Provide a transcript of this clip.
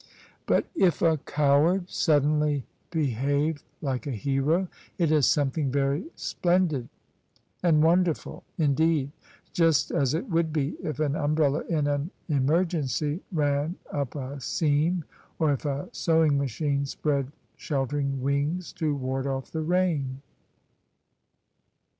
But if a coward sud denly behave like a hero, it is something very splendid and wonderful indeed : just as it would be if an umbrella in an emergency ran up a seam, or if a sewing machine spread shel tering wings to ward off the rain."